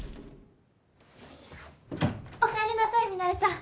おかえりなさいミナレさん。